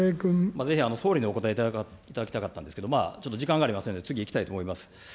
ぜひ、総理にお答えいただきたかったんですけれども、まあ時間がありませんので、次いきたいと思います。